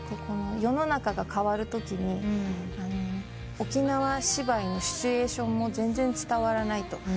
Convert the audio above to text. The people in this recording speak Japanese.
世の中が変わるときに沖縄芝居のシチュエーションも全然伝わらないと。